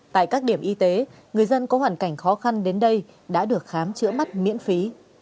tại các điểm y tế người dân có hoàn cảnh khó khăn đến đây đã được khám chữa mắt miễn phí